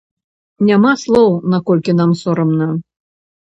Няма слоў, наколькі нам сорамна!